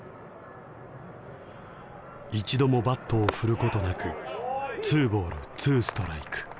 一度もバットを振ることなく２ボール２ストライク。